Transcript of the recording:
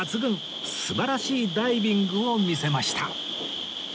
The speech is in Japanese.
素晴らしいダイビングを見せました